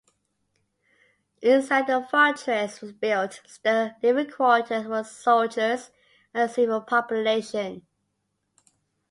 Inside the fortress were built stone living-quarters for soldiers and civil population.